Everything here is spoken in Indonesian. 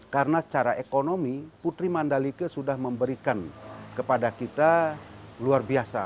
karena secara ekonomi putri mandalika sudah memberikan kepada kita luar biasa